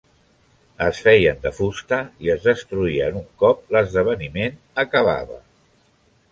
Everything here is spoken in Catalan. Es feien de fusta i es destruïen un cop l'esdeveniment acabava.